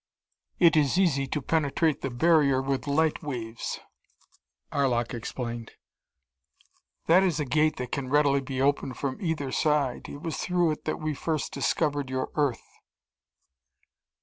"It is easy to penetrate the barrier with light waves," Arlok explained. "That is a Gate that can readily be opened from either side. It was through it that we first discovered your Earth."